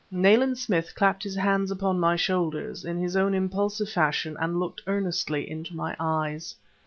Nayland Smith clapped his hands upon my shoulders, in his own impulsive fashion, and looked earnestly into my eyes.